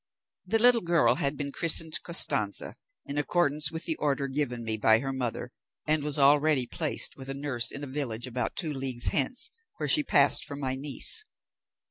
The little girl had been christened Costanza, in accordance with the order given me by her mother, and was already placed with a nurse in a village about two leagues hence, where she passed for my niece.